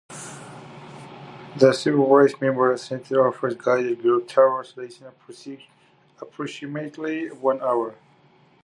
The Civil Rights Memorial Center offers guided group tours lasting approximately one hour.